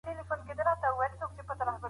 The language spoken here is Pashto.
د لفظ له اړخه طلاق دوه ډوله لري: صريح او کنايي.